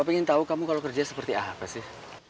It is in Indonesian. pengen tahu kamu kalau kerja seperti apa sih